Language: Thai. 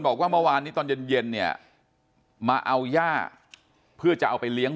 บอกว่าเมื่อวานนี้ตอนเย็นเย็นเนี่ยมาเอาย่าเพื่อจะเอาไปเลี้ยง